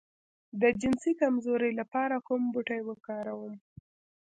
د جنسي کمزوری لپاره کوم بوټی وکاروم؟